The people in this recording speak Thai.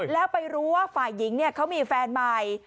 แล้วไปรู้ว่าฝ่ายหญิงเขามีแฟนใหม่